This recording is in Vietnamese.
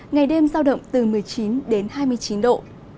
ngày đêm giao động từ một mươi chín đến hai mươi chín độ